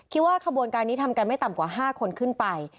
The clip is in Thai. คิดว่าการ์บลการทำกันไม่ต่ำกว่า๕คนขึ้นไป